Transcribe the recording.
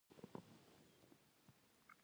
د عراده جاتو فزیکي طرح هم په ډیزاین کې رول لري